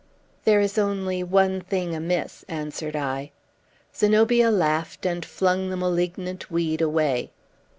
"There is only one thing amiss," answered I. Zenobia laughed, and flung the malignant weed away.